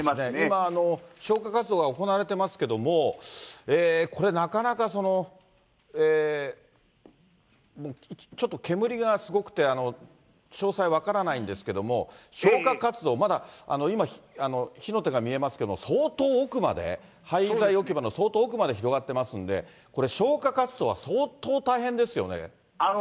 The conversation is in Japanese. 今、消火活動が行われてますけども、これ、なかなか、ちょっと煙がすごくて、詳細分からないんですけども、消火活動、まだ今、火の手が見えますけれども、相当奥まで、廃材置き場の相当奥まで広がってますんで、これ、消火活動は相当大変ですよね。